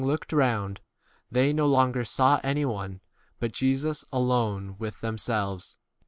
looked around, they no longer saw any one, but Jesus alone with themselves.